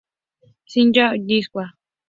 Shinya Nishikawa